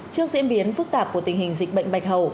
trước diễn biến phức tạp của tình hình dịch bệnh bạch hầu